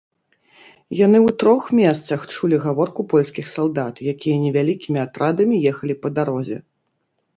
Яны ў трох месцах чулі гаворку польскіх салдат, якія невялікімі атрадамі ехалі па дарозе.